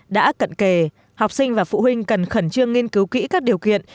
đã cận kề học sinh và phụ huynh cần khẩn trương nghiên cứu kỹ các điều kiện